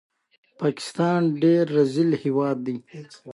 د اسامبلې قدرت پر بېلتون ولاړ و